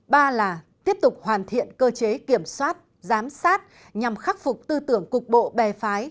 ba là tiếp tục hoàn thiện cơ chế kiểm soát giám sát nhằm khắc phục tư tưởng cục bộ bè phái